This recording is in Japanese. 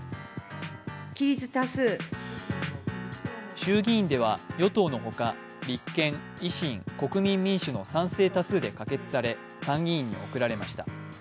衆議院では与党の他、立憲、維新、国民民主の賛成多数で可決され参議院に送られました。